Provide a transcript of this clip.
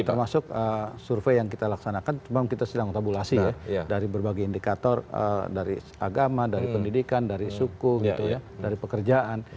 termasuk survei yang kita laksanakan kita sudah mengontabulasi ya dari berbagai indikator dari agama dari pendidikan dari suku dari pekerjaan